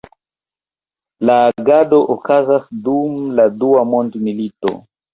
La agado okazas dum la Dua Mondmilito.